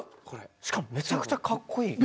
しかもめちゃくちゃかっこいい。